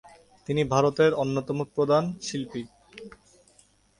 তিনি ভারতের অন্যতম প্রধান শিল্পী।